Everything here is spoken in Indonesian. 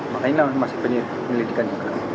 makanya masih penyelidikan juga